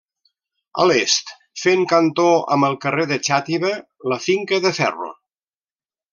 A l'est, fent cantó amb el carrer de Xàtiva, la Finca de ferro.